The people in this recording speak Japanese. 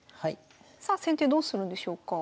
さあ先手どうするんでしょうか？